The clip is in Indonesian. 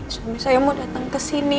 suami saya mau datang ke sini